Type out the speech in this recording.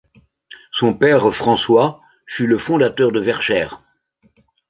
Son père, François, fut le fondateur de Verchères.